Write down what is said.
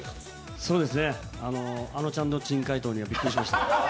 そうですね、あのちゃんの珍解答にはびっくりしました。